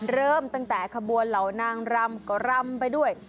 เริ่มตั้งแต่ขบวนเหล่านางรำก็รำไปด้วย